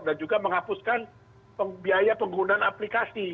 dan juga menghapuskan biaya penggunaan aplikasi